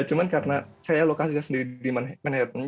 cuma karena saya lokasinya sendiri di manhattan